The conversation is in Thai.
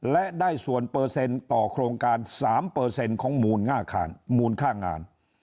และได้ส่วนเปอร์เซ็นต์ต่อโครงการ๓ของมูลค่างาน